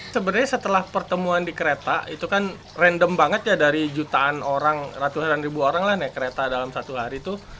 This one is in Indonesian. sebenarnya setelah pertemuan di kereta itu kan random banget ya dari jutaan orang ratusan ribu orang lah kereta dalam satu hari itu